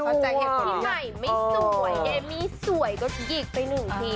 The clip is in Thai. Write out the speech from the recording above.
เขาใจเหตุว่าพี่ใหม่ไม่สวยเดมมี่สวยก็หยิกไปหนึ่งที